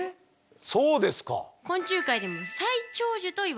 そうですか！